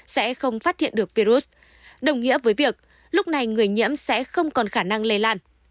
sẽ không phát hiện được virus đồng nghĩa với việc lúc này người nhiễm sẽ không còn khả năng lây lan